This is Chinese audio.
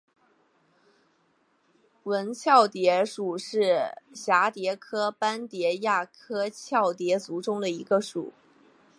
纹绡蝶属是蛱蝶科斑蝶亚科绡蝶族中的一个属。